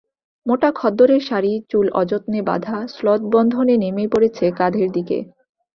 মোটা খদ্দরের শাড়ি, চুল অযত্নে বাঁধা, শ্লথবন্ধনে নেমে পড়েছে কাঁধের দিকে।